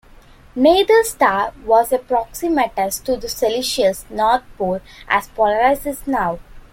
Neither star was as proximitous to the celestial north pole as Polaris is now.